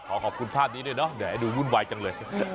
ขอบคุณภาพนี้ด้วยเนาะเดี๋ยวให้ดูวุ่นวายจังเลย